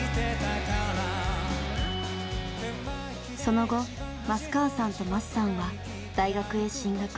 その後増川さんと升さんは大学へ進学。